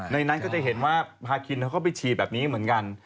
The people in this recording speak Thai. นั้นก็จะเห็นว่าพาคินเขาก็ไปฉีดแบบนี้เหมือนกัน